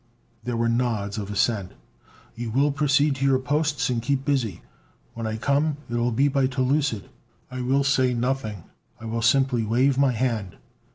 There were nods of assent. "You will proceed to your posts and keep busy. When I come it'll be by telucid. I will say nothing. I will simply wave my hand.